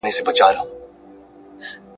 حساب نسته سر پر سر یې زېږومه !.